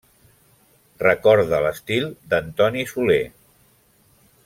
Recorda l'estil d'Antoni Soler.